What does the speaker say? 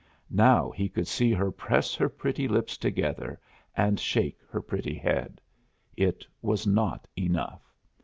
Now, he could see her press her pretty lips together and shake her pretty head. It was not enough.